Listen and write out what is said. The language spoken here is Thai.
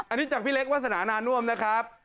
อันนี้จากพี่เล็กวาสนานาน่วมนะครับ